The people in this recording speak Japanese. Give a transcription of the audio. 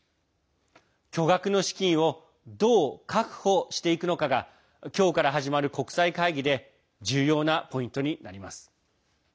巨額の資金をどう確保していくのかが今日から始まる国際会議で重要なポイントになります。